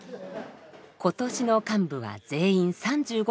今年の幹部は全員３５歳。